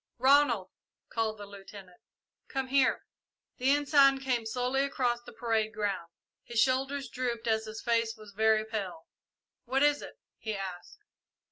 "Ronald," called the Lieutenant, "come here!" The Ensign came slowly across the parade ground. His shoulders drooped and his face was very pale. "What is it?" he asked.